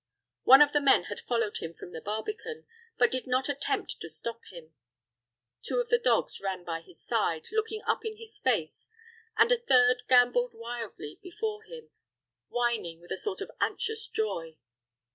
One of the men had followed him from the barbican, but did not attempt to stop him. Two of the dogs ran by his side, looking up in his face, and a third gamboled wildly before him, whining with a sort of anxious joy.